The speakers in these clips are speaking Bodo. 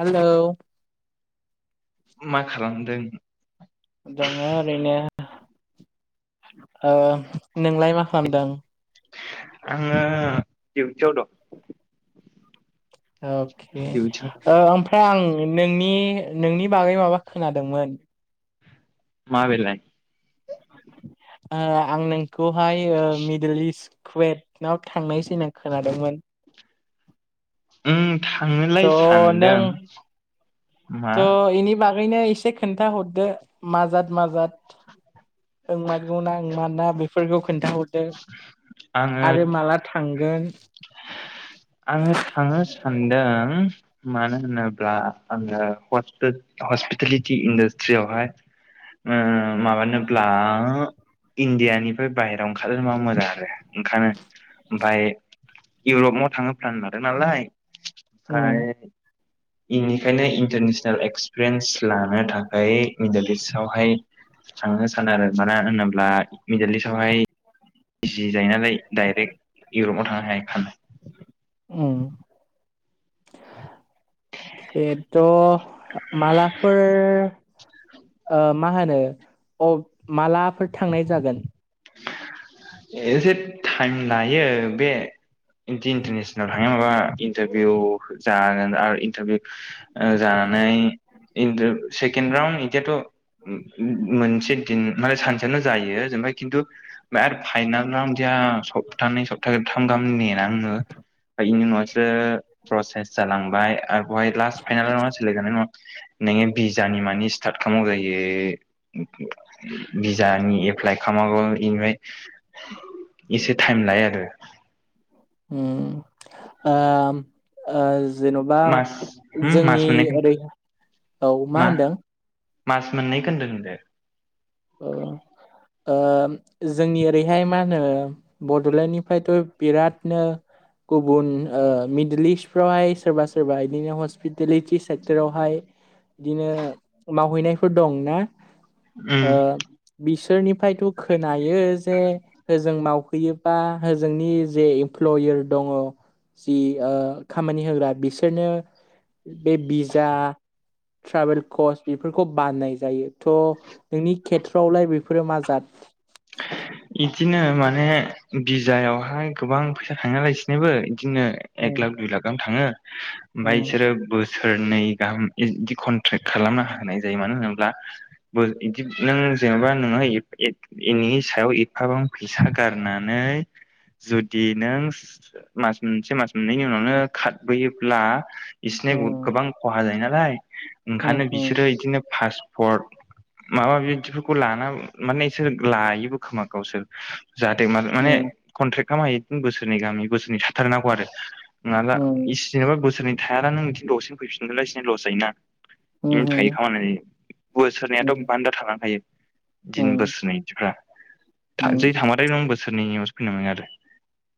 हेलौ मा खालामदों दङ ओरैनो ओ नोंलाय मा खालामदों आङो दिउटियाव दं अके डिउटियाव दं ओ ओमफ्रा आं नोंनि नोंनि बागै माबा खोनादोंमोन मा बेलाय ओ आं नोंखौहाय मिडल इस्ट कुवेटाव थांनायसै आं खोनादोंमोन उम थांनोलाय थ' नों सानदों मा थ' बेनि बागैनो एसे खोन्थाहरदो माजाद माजाद नंमारगौना नोंमारा बेफोरखौ खोन्थाहर दों आङो आरो माला थांगोन। आङो थांनो सानदों मानो होनोब्ला आङो हस्पिटेलिटि इन्डासट्रियावहाय उम माबानोब्ला इण्डियानि बाहेराव ओंखारबा मोजां आरो ओंखनो ओमफ्राय इउरपाव थाङोब फान लादों नालाय उम फ्राय [inaudible] बेनिखायनो इन्टारनेसनेल एक्सपिरियेन्स लानो थाखाय मिडोल इस्ट आवहाय थांनो सानो आरो मानो होनोब्ला मिडल इस्ट आवहाय जिरायनानै दडाइरेक्ट इउरपाव थांनो हानाय उम। खेबद मालाफोर ओ मा होनो अ मालाफोर थांनाय जागोन? एसे टाइम लायो बे इन्टारनेसनेल थांनोबा इन्टारभिउ जागोन आरो इन्टारभिउ ओ जानानै इन्टार [unintelligible] मोनसे दिन माने सानसेयानो जायो जेनेबा खिन्थु आरो फाइनाल नांदिया सप्तानै सप्ताथाम गाहाम नेनाङो। बेनि उनावसो प्रसेस जालांबाय आरो बहाय लास्ट फाइनाल [unintelligible] नोङो भिजानि मानि स्टार्ट खालाम जायो भिजानि एप्लाइ खालामगौ बेनिफ्राय एसे टाइम लायो आरो। उम आम। ओ जेन'बा मास होम मास जोंनि मोननै ओरै औ मा होनदों? मास मोननै खोनो दोनदो। अ ओ जोंनि ओरैहाय मा होनो बड'लेण्डनिफ्रायथ' बिरादनो गुबुन ओ मिडल इस्टफ्रावहाय सोरबा सोरबा बिदिनो हस्पिटेलिटि सेक्टरावहाय बिदिनो मावहैनायफोर दं ना? ओ उम बिसोरनिफ्रायथ' खोनायो जे होजों मावफैयोबा होजोंनि जे इमप्लयार दङ जि आ खामानि होग्रा बिसोरनो बे बिजा ट्रभेल करर्च बेफोरखौ बानाय जायो थ' नोंनि खेथ्र'आवलाय बेफोरो मा जाद? [inaudible] इदिनो माने बिजायावहाय गोबां फैसा थाङा लायसिनोबो बिदिनो एक लाख दुइ लाख आनो थाङो ओमफाय बिसोरो बो सोरनै गाहाम इदि कन्ट्रेक् खालामनो हानाय जायो मानो होनोब्ला? बिदि नों जेनेबा नोङो [unintelligible] इनि सायाव एफाबां फैसा गारनानै जुदि नों मास मोनसे मास मोननैनि उनावनो खारबोयोब्ला बिसिनि गोबां खहा जायो नालाय ओंखायनो बिसोरो बिदिनो फार्स हट माबा माबि बिदिफोरखौ लाना माने बिसोर लायोबो खोमा गावसोर। जाहाथे मान माने कन्ट्रेक्ट ना मा इदिनो बोसोरनै गाहाम बोसोरनै थाथारनांगौ आरो। नङाबला [unintelligible] बोसोनै थायाना नों बिथिं दसेनो फैफिनोब्ला बिसिनि लस जायोना। [inaudible] थायो खामानिनि बोसोरनैयाथ' बान्दा थानांखायो दिन बोस [inaudible] जै थांथाय नों बोसोरनैनि उनावसो फैनो मोनो आरो।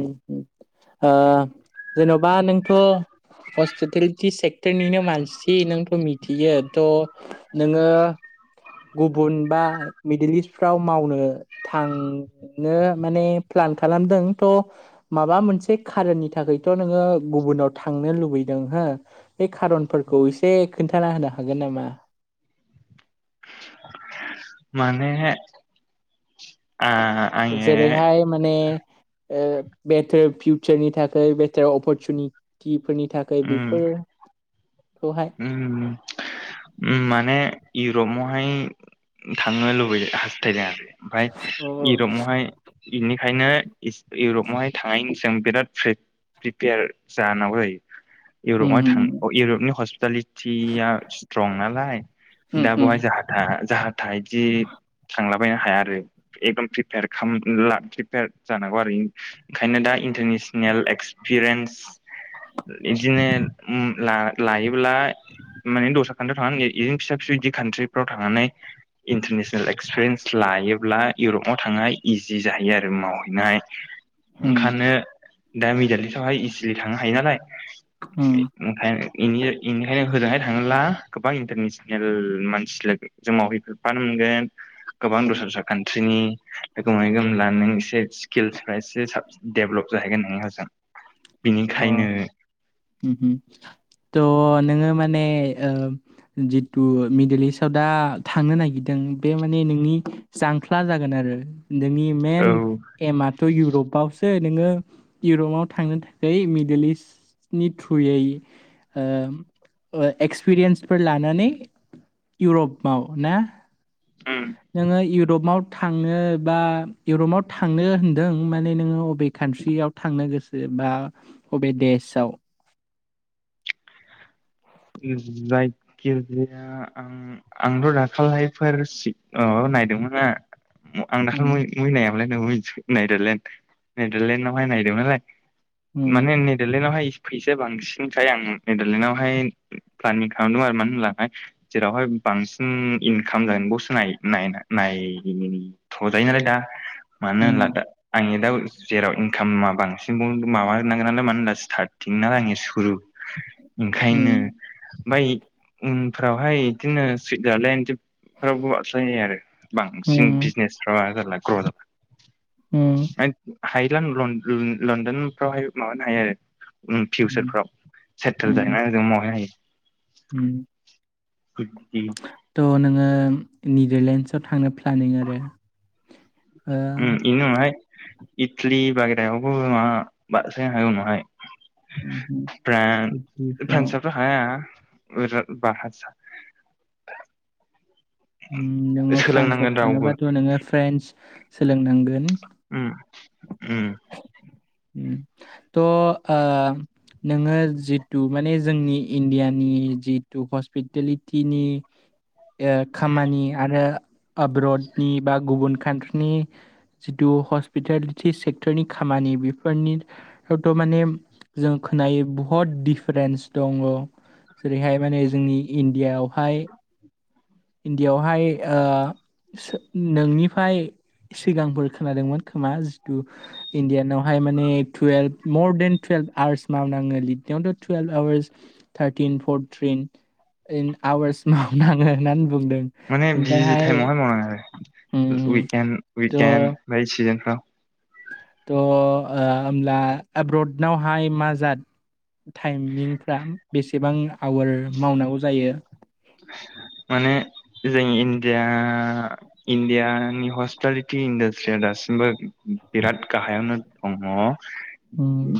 दम जेन'बा नोंथ' हस्पिटेलिटि सेक्टरनिनो मानसि नोंथ' मिथियो थ' नोङो गुबुन बा मिडिल इस्टफ्राव मावनो थांनो माने प्लान खालामदों थ' माबा मोनसे खारननि थाखायथ' नोङो गुबुनाव थांनो लुबैदों हो बे खारनफोरखौ एसे खोन्थाना होनो हागोन नामा? माने ओ जेरैहाय माने ओ बेथार फिउचारनि थाखाय बेटार अपरचनिटिफोरनि नि थाखाय उम बेफोरखौहाय उम। माने इरपावहाय थांनो लुबै हास्थायदों आरो। ओमफाय अ इउरपआवहाय बेनिखायनो इस इउरपावहाय थांनायनि सिगां बिराद प्रिपेयार जानांगौ जायो। उम इउरप थां उम इउरपनि हस्पिटालिटिया स्ट्रं नालाय हुँ, दा हुँ, बेहाय जा जाहा थाहा जाहा थाहा इदि थांला बायनो हाया आरो इखदम प्रिफियार खालामला प्रियार जानांगौ आरो ओंखायनो दा इन्टारनेसनेल एक्सपिरियेन्स बिदिनो उम ला-लायोब्ला माने दस्रा कान्याव [unintelligible] थांनानैनो फिसा फिसौ बिदि कान्ट्रिफ्राव थांनानै इन्टारनेसनेल एक्सपिरियेन्स लायोब्ला इउरपआव थांनाय इजि जाहैयो आरो मावहैनाय हुँ, ओंखायनो दा मिडाललिस्वहाय इजिलि थांनो हायो नालाय हुँ, अमफाय इनि इनिखायनो होजोंहाय थाङोब्ला गोबां इन्टारनेसनेल मानसिलो जोंमावहैफेरफानो मोनगोन गोबां दस्रा दस्रा कान्ट्रिनि लोगो मोनहैगोन होमब्ला नों एसे स्किल्सफ्रा एसे साबसिन डेभलप जाहैगोन होन होजों बिनिखायनो हुम हुम थ' नोङो माने जितु मिडल इस्टआव दा थांनो नागिरदों बे माने नोंनि जांख्ला जागोन आरो नोंनि मेन औ एमाथ' इउरपावसो नोङो इउरपाव थांनो बै मिडल इस्टनि थ्रुयै होम एक्सपिरियेन्सफोर लानानै इउरपआव ना उम नोङो इउरपआव थांनो बा इउरपाव थांनो होनदों माने नोङो अबे कान्ट्रियाव थांनो गोसो बा अबे देशआव? जायखिरजाया आं आंथ' दाखालैफोर माबा नायदोंमोना आं थ' दाखलि मैनायावनो नों नेडारलेण्ड नेडारलेण्डआवहाय नायदोंमोन नालाय नोङो माने नेडारलेण्डआवहाय फैसाया बांसिनखाय आं नेडारलेण्डआवहाय प्लानिंग खांदों आरो मानो होनायखाय जेरावहाय बांसिन इनकाम जबावसो नाय नाय नाय थजायो नालाय दा मानो होनलादा आंनि दा जेराव इनकामा बांसिन बाव माबा नांगोन नालाय मानो होना स्टार्टिं नालाय आंनि सुरु [inaudible] ओंखायनो ओमफाय उनफ्रावहाय बिदिनो सुइजारलेण्ड फोरावबो अज्लायनायायो [unintelligible] आरो बांसिन बिजनेसफ्रा जारला ग्र' जाबा हायो [unintelligible] लण्ड-लनदफ्रावहाय माबानो हायो आरो उम फिउचारफ्राव सेटेल जाहैनानै जों मावहैनो हायो। उम। [unintelligible] थ' नोङो निदारलेण्डसाव थांनो प्लनिं आरो? ओ अम इनि उनावहाय इथलि बाहेरायावबो मा बारसनो हागौ उनावहाय। फ्रान फ्राव फानसाब हाया बुरजा बा हारस नोङो फ्रान्सव सोलोंनांगोन रावबो थानोबाथ' नोङो फ्रेन्स सोलोंनांगोन उम उम त ओ नोङो जितु माने जोंनि इण्डियानि जितु हस्पिटेलिटिनि जों खामानि आरो आब्रडनि बा गुबुन कान्ट्रिनि जितु हस हस्पिटेलिटि सेक्टरनि खामानि बेफोरनि फोरथ' माने जों खोनायो बहुत दिडफारेन्स दङ जेरैहाय माने जोंनि इण्डियाआवहाय इण्डियाआवहाय ओ नोंनिफ्राय सिगांफोर खोनादोंमोन खोमा जिथु इण्डियानावहाय माने टुवेल्भ मर देन टुवेल्भ आवार्स माबनााङो लिरनायावथ' टुयेल्भ आवार्स थार्टिन फरटिननआवार्स मावनाङो होननानै बुंदों माने बिजि जि ओमफ्रायहाय टाइमावहाय मावनाङो आरो उम, उइके थ' उइकेणड बाय सिजोनफ्राव थ' ओ होमब्ला एब्रडनावहाय मा जाद टाइमिंफ्रा बेसेबां आवार मावनांगौ जायो माने जों इण्डिया इण्डिया नि हस्पिटालिटि इन्डासट्रिया दासिमबो बिराद गाहायावनो दङ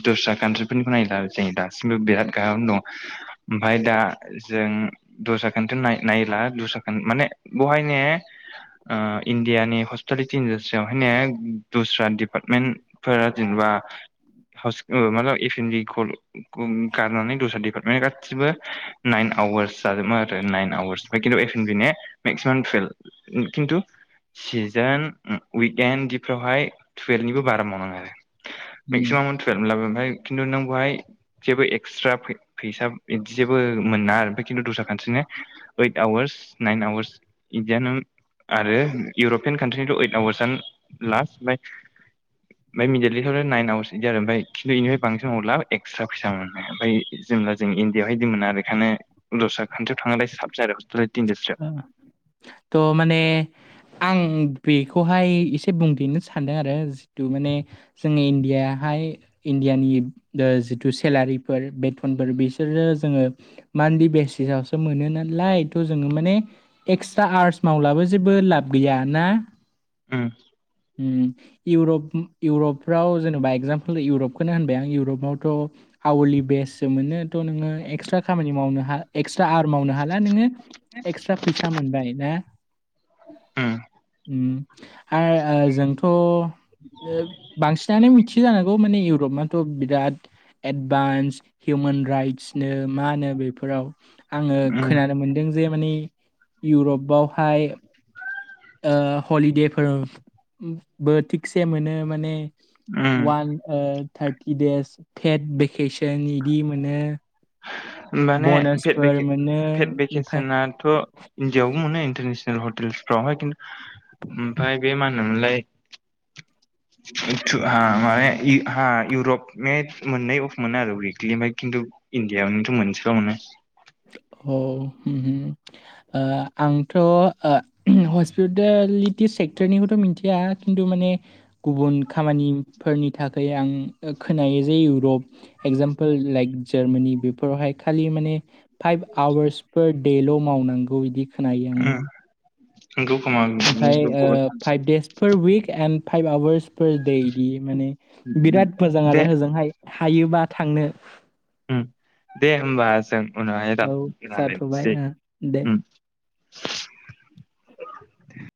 दस्रा कान्ट्रि फोरनिखौ नायला जायो दासिमबो बिराद गाहामनो दं ओमफफ्राय दा जों दस्रा खाट्रि नाय नायला दस्रा खोन माने बेहाय ने ओ इण्डियानि हस्पिटालिटि इडासट्रियावहाय ने दस्रा दिडिपार्टमेन्ट फोर जेनेबा म ए एन गुं गारनानै दस्रा दिपार्टमेन्ट गासिबो नाइन आवार्स आरो मा आरो नाइन आवार्स खि एन बि मेक्सिमाम थुयेफ किन्थु सिजोन उइकएणड बिफ्रावहाय टुवेल्भनिबो बारा मावनाङो आरो मेक्सिमामथ मफ्राय खिन्थु नों बहाय जेबो एक्सट्रा फैसा बिदि जेबो मोना आरो खिन्थु दस्रा कान्ट्रिनि eight hours nine hours India आरो इउरपियान कान्ट्रिनिथ' ओइट आवार्सनो लास्ट ओमफ्राय [inaudible] ओमफ्राय मिडिटलिस्टआव आरो नाइन आवारस बिदि आरो ओमफ खिन्थु इनिफ्राय बांसिनरला एक्सट्रा फैसा मोनो ओमफाय जोंहा जों इण्डिआव हाय दंना बेखायनो दस्रा कान्ट्रियाव थांराय साबजा आरो हस्पिटेलिटि अ इन्डास्ट्रियाव त' माने आं बेखौहाय एसे बुंदेरनो सानदों आरो जितु माने जोंनि इण्डियाहाय इण्डियानि ओ जिथु सेलारिफोर बेथनफोर बिसोरो जोङो मानलि बेसिसावसो मोनो नालाय थ' जोङो माने एक्सट्रा आर्स मावब्लाबो जेबो लाब गैया ना उओ उरप इउरप्राव जेनेबा एगजामपोल इउरपखौनो होनबाय आं इउरपआवथ' आवारलि बेसो मोनो थ' नोङो एक्सट्रा खामानि मावनो एक्सट्रा आवार मावनो हाला नोङो एक्सट्रा फैसा मोनबाय ना उम आर आरो जोंथ' बांसिनानो मिथि जानांगौ माने इउरपआथ' बिराद एदभान्स हिउमेन राइट्सनो मा होनो बेफोराव आङो उम खोनानो मोनदों जे माने इउरपआवहाय ओ हलिदेफोर बो थिगसे मोनो माने उम उम वान ओ थारटि देस फे केेसन इदि मोनो मानेे फेट बनासफोर मेके मोनो फेट ओमफाय भेकेसनाथ' इणडियाव माने इनटारनेसनेल हतेलसफ्रावहाय किन ओमफ्राय बे मा होनोमोनलाय [inaudible] [unintelligible] मा इहा इउरपनि मोननै अफ मोनो आरो उइकलि ओमफ्राय खिन्थु इण्डि आवनोथ' मोनसेल' मोनो। औ होम होम ओ आंथ' ओ हस्पिटेलिटि सेक्टरनिखौथ' मिथिया खिन्थु माने गुबुन खामानिफोरनि थाखाय आं खोनायो जे इउरप एगजामपोल लाइक जार्मानि बेफोरावहाय खालि माने फाइभ आवार्सफोर देल' मावनांगौ बिदि खोनायो आङो। नोंगौ खोमा। ओमफ्राय नोंगौ, गुबुन ओ फाइभ सानस्रि देस फार उइक एणड फाइभ आवार्स फार दे बिदि माने। बिराद मोजां दे आरो होजों हाय हायोबा थांनो। दे होमबा जों उनावहाय रां औ जाथ'बाय रालायनोसै। ओ दे उम